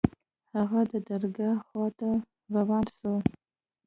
هغه د درګاه خوا ته روان سو.